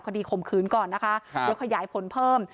คดีข่มขืนก่อนนะคะแล้วขยายผลเพิ่ม